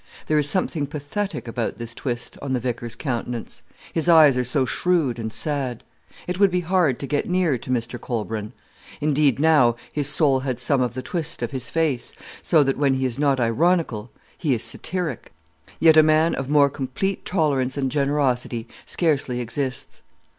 There is something pathetic about this twist on the vicar's countenance: his eyes are so shrewd and sad. It would be hard to get near to Mr Colbran. Indeed, now, his soul had some of the twist of his face, so that, when he is not ironical, he is satiric. Yet a man of more complete tolerance and generosity scarcely exists.